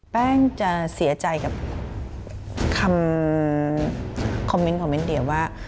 แป้งจะเสียใจกับคำคอมเมนต์เดี๋ยวว่า